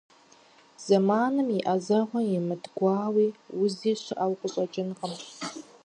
Зэманым и Ӏэзэгъуэ имыт гуауи узи щыӀэу къыщӀэкӀынкъым.